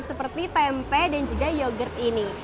seperti tempe dan juga yogurt ini